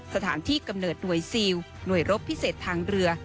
สถานที่กำเนิดหน่วยซิลหน่วยรบพิเศษทางเรือ